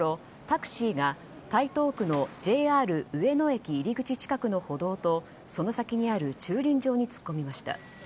タクシーが、台東区のＪＲ上野駅入り口近くの歩道とその先にある駐輪場に突っ込みました。